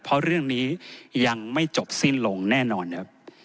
เพราะเรื่องนี้ยังไม่จบสิ้นลงแน่นอนครับ